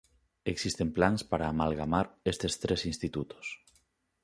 Existen plans para amalgamar estes tres institutos.